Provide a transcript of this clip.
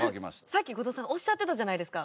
さっき後藤さんおっしゃってたじゃないですか。